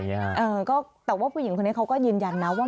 เออก็แต่ว่าผู้หญิงคนนี้เขาก็ยืนยันนะว่า